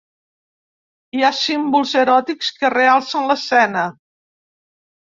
Hi ha símbols eròtics que realcen l'escena.